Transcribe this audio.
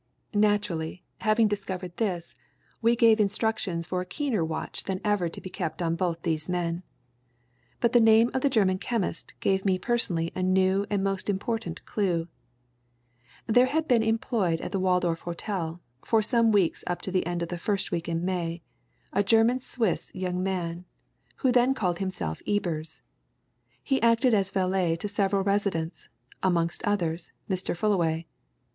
"Naturally, having discovered this, we gave instructions for a keener watch than ever to be kept on both these men. But the name of the German chemist gave me personally a new and most important clue. There had been employed at the Waldorf Hotel, for some weeks up to the end of the first week in May, a German Swiss young man, who then called himself Ebers. He acted as valet to several residents; amongst others, Mr. Fullaway.